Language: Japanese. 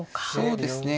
そうですね